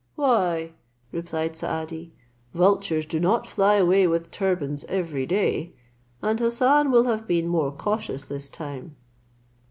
"Why," replied Saadi, "vultures do not fly away with turbans every day; and Hassan will have been more cautious this time."